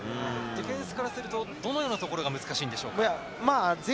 ディフェンスからすると、どのようなところが難しいですか？